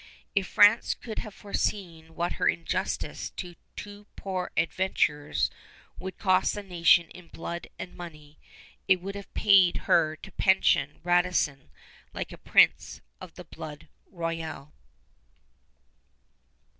If France could have foreseen what her injustice to two poor adventurers would cost the nation in blood and money, it would have paid her to pension Radisson like a prince of the blood royal.